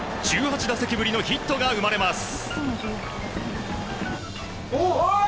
１８打席ぶりのヒットが生まれます。